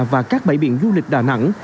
và các bãi biển du lịch đà nẵng